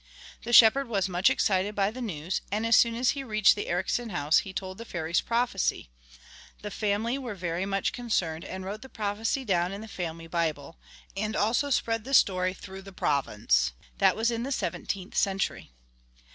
The shepherd was much excited by the news, and as soon as he reached the Ericsson house he told the fairy's prophecy. The family were very much concerned and wrote the prophecy down in the family Bible, and also spread the story through the province. That was in the seventeenth century.